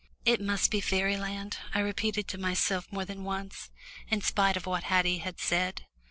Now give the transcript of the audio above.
"It must be fairyland," I repeated to myself more than once, in spite of what Haddie had said.